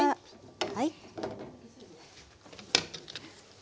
はい。